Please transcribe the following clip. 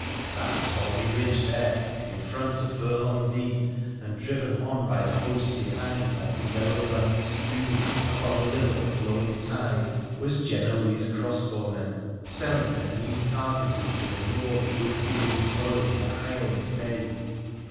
That tawny fringe there in front a furlong deep and drivan on by tbe host behind like the yellow running spume upon the lip of a flowing tide was Genoese crossbowmen, selling their mean carcasses to manure the good Picardy soil for hireling pay.